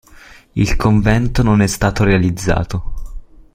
Il convento non è stato realizzato.